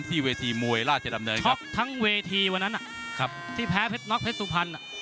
เวทีมวยราชดำเนินครับทั้งเวทีวันนั้นที่แพ้เพชรน็อกเพชรสุพรรณ